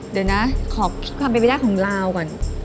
เดี๋ยวนะขอคิดความเป็นไปได้ของลาวก่อน